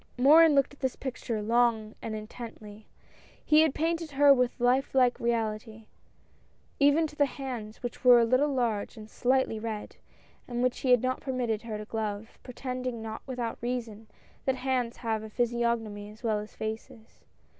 Morin looked at this picture long and intently. He had painted her with life like reality, even to the hands, which were a little large and slightly red, and which he had not permitted her to glove, pretending, not without reason, that hands have a physiognomy as well as faces.